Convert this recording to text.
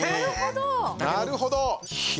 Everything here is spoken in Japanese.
なるほど！